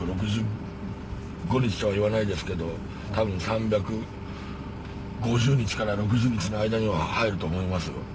３６５日とは言わないですけど多分３５０日から６０日の間には入ると思いますよ。